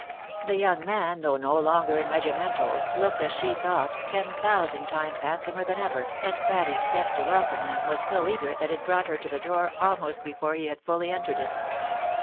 The young man, though no longer in regimentals, looked, as she thought, ten thousand times handsomer than ever, and Patty's step to welcome him, was so eager that it brought her to the door, almost before he had fully entered it.